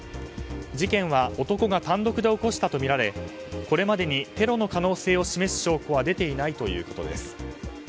事件は男が単独で起こしたとみられこれまでにテロの可能性を示す証拠は出ていないということです。